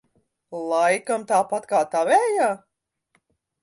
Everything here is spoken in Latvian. Laikam tāpat kā tavējā?